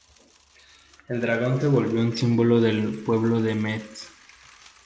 El dragón se volvió un símbolo del pueblo de Metz.